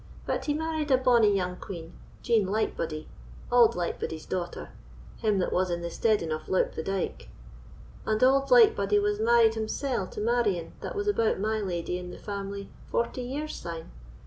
But he married a bonny young quean, Jean Lightbody, auld Lightbody's daughter, him that was in the steading of Loup the Dyke; and auld Lightbody was married himsell to Marion, that was about my lady in the family forty years syne.